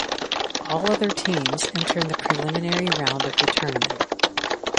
All other teams enter in the preliminary round of the tournament.